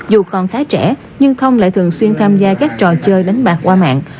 dù còn khá trẻ nhưng thông lại thường xuyên tham gia các trò chơi đánh bạc qua mạng